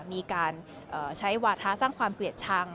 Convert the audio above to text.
มีการใช้วาทะสร้างความเกลียดชัง